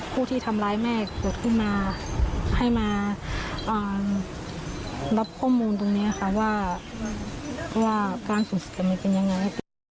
ผู้ที่ทำร้ายแม่เกิดขึ้นมาให้มารับข้อมูลตรงนี้ค่ะว่าการสูญเสียเป็นยังไง